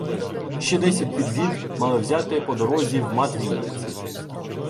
Ще десять підвід мали взяти по дорозі в Матвіївці.